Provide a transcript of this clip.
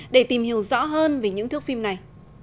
để tìm hiểu rõ hơn về những thước phim này